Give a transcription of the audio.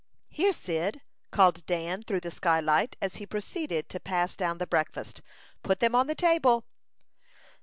"Here, Cyd," called Dan, through the sky light, as he proceeded to pass down the breakfast. "Put them on the table."